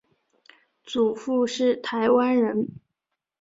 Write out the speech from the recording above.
祖父是台湾人。